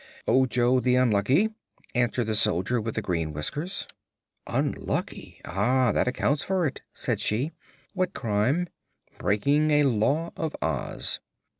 "Ojo the Unlucky," answered the Soldier with the Green Whiskers. "Unlucky? Ah, that accounts for it," said she. "What crime?" "Breaking a Law of Oz."